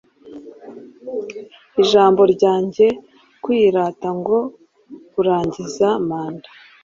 Ijambo ryanjye-kwirata ngo kurangiza manda